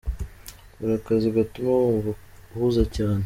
Kora akazi gatuma wumva uhuze cyane.